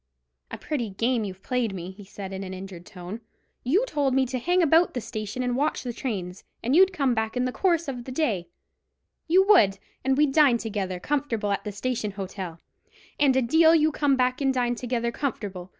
"A pretty game you've played me," he said, in an injured tone. "You told me to hang about the station and watch the trains, and you'd come back in the course of the day—you would—and we'd dine together comfortable at the Station Hotel; and a deal you come back and dined together comfortable.